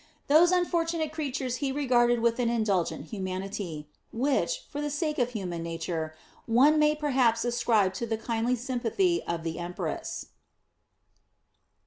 Those unfortunate creatures he regarded with an indulgent humanity, which, for the sake of human nature, one may perhaps ascribe to the kindly sympathy of the empress.